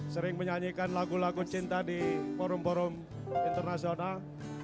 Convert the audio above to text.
sering menyanyikan lagu lagu cinta di forum forum internasional